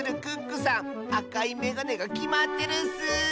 あかいめがねがきまってるッス！